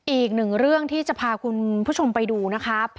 อีกหนึ่งเรื่องที่จะพาคุณผู้ชมไปดูนะครับ